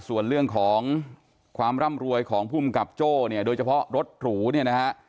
ส่วนเรื่องของความร่ำรวยของภูมิกับโจ้เนี่ยโดยเฉพาะรถหรูเนี่ยนะฮะ